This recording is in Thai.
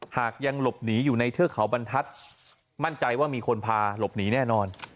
หากยังหลบหนีอยู่ในเทือกเขาบรรทัศน์มั่นใจว่ามีคนพาหลบหนีแน่นอน